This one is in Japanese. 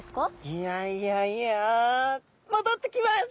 いやいやいや戻ってきます！